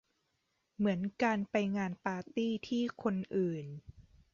เหมือนการไปงานปาร์ตี้ที่คนอื่น